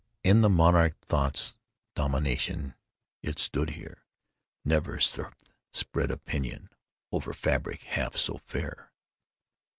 In the monarch Thought's dominion— It stood there! Never seraph spread a pinion Over fabric half so fair.